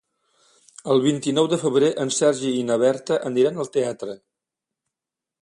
El vint-i-nou de febrer en Sergi i na Berta aniran al teatre.